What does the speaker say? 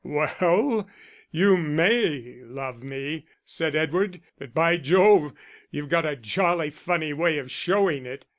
"Well, you may love me," said Edward, "but, by Jove, you've got a jolly funny way of showing it....